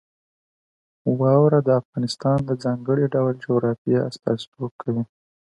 واوره د افغانستان د ځانګړي ډول جغرافیه استازیتوب کوي.